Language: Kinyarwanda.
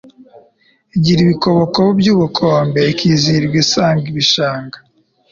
Igira ibikobokobo byubukombe Ikizihirwa isanga ibishanga